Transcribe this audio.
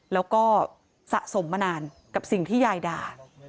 แล้วก็สะสมมานานกับสิ่งที่ยายด่า